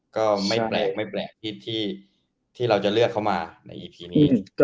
ก็ไม่แปลกที่เราจะเลือกเขามาในอีพีนี้